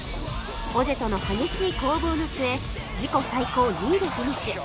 オジェとの激しい攻防の末自己最高２位でフィニッシュ